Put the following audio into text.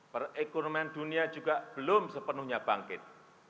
perekonomian dunia juga belum sepenuhnya bangkit